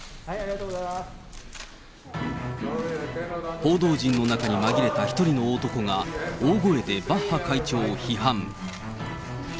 報道陣の中に紛れた１人の男が、大声でバッハ会長を批判。